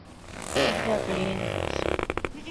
— Ушда каен, Фукс!